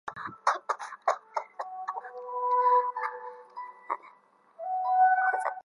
乙种车辆则不得驶入。